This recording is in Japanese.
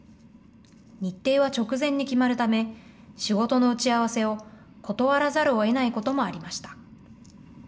日程は直前に決まるため仕事の打ち合わせを断らざるをえないこともありました。